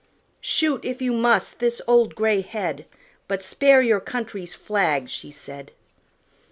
"Shoot, if you must, this old gray head, But spare your country's flag," she said.